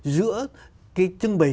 giữa cái trưng bày